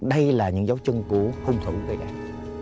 đây là những dấu chân của hung thủ người đàn